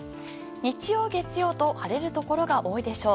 日曜、月曜と晴れるところが多いでしょう。